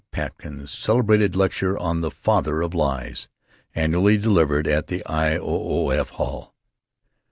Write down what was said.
Pitkins's celebrated lecture on "The Father of Lies," annually delivered at the I.O.O.F. Hall.